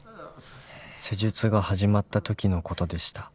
［施術が始まったときのことでした］